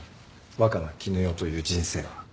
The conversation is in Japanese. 若菜絹代という人生は。